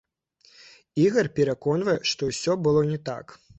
Ігар пераконвае, што ўсё было не так.